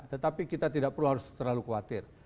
tetapi kita tidak perlu harus terlalu khawatir